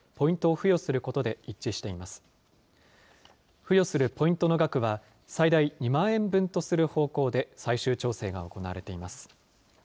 付与するポイントの額は最大２万円分とする方向で最終調整が行われています。